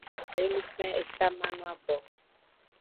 Enu kpen eta mano abo.